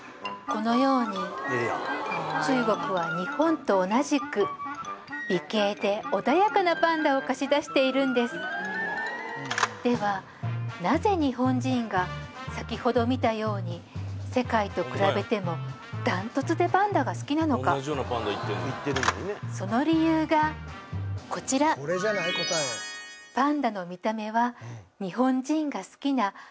このように中国は日本と同じく美形で穏やかなパンダを貸し出しているんですではなぜ日本人が先ほど見たように世界と比べてもダントツでパンダが好きなのかその理由がこちらなんじゃ白銀比何？